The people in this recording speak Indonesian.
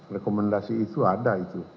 rekomendasi itu ada